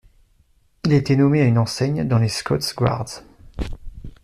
Il a été nommé à une enseigne dans les Scots Guards.